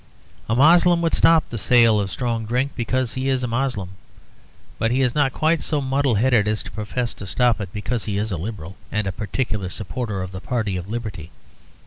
A Moslem would stop the sale of strong drink because he is a Moslem. But he is not quite so muddleheaded as to profess to stop it because he is a Liberal, and a particular supporter of the party of liberty.